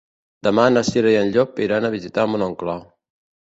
Demà na Cira i en Llop iran a visitar mon oncle.